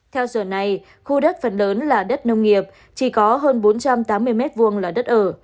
theo sở này khu đất phần lớn là đất nông nghiệp chỉ có hơn bốn trăm tám mươi m hai là đất ở